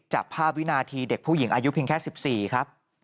จับภาพวินาทีเด็กผู้หญิงอายุเพียงแค่๑๔ครับ